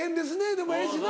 でもええしな。